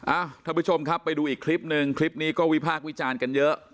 ท่านผู้ชมครับไปดูอีกคลิปนึงคลิปนี้ก็วิพากษ์วิจารณ์กันเยอะ